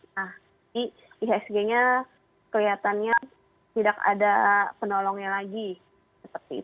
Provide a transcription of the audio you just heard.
jadi ihsg nya kelihatannya tidak ada penolongnya lagi